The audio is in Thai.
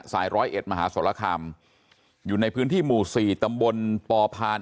ร้อยเอ็ดมหาสรคามอยู่ในพื้นที่หมู่๔ตำบลปพาน